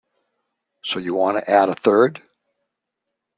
So you want to add a third?